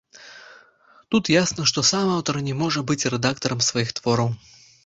Тут ясна, што сам аўтар не можа быць рэдактарам сваіх твораў.